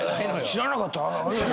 知らなかった。